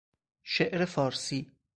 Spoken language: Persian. شعر فارسی